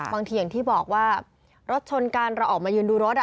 อย่างที่บอกว่ารถชนกันเราออกมายืนดูรถ